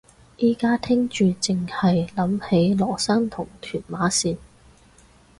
而家聽住剩係諗起羅生同屯馬綫